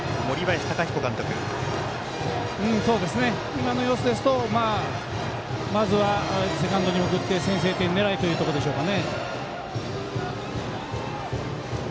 今の様子ですとまずはセカンドに送って先制点狙いというところでしょうか。